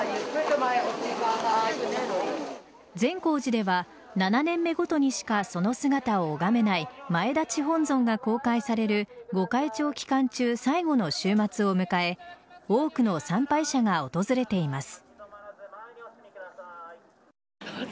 善光寺では７年目ごとにしかその姿を拝めない前立本尊が公開される御開帳期間中、最後の週末を迎え多くの参拝者が訪れています。